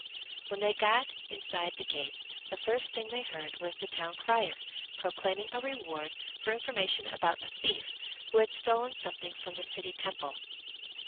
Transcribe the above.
When they got inside the gates the first thing they heard was the town crier proclaiming a reward for information about a thief who had stolen something from the city temple.